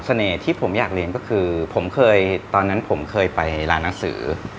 เสน่ห์ที่ผมอยากเรียนก็คือตอนนั้นผมเคยไปร้านหนังสือ